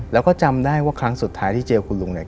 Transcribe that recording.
แล้วก็จำได้ว่าครั้งสุดท้ายที่เจอคุณลุงเนี่ย